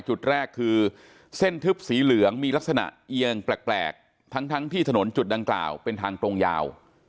จุดแรกคือเส้นทึบสีเหลืองมีลักษณะเอียงแปลกทั้งที่ถนนจุดดังกล่าวเป็นทางตรงยาว